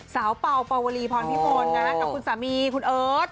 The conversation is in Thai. สาวเป่าปววรีพรพิโฒนนะกับคุณสามีคุณเอิร์ช